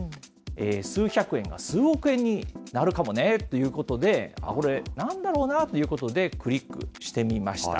数百円が数億円になるかもねということで、これ、なんだろうなということで、クリックしてみました。